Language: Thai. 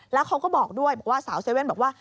แล้วเขาก็บอกด้วยบอกว่าสาวเซเว่นบอกว่า